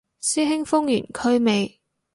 師兄封完區未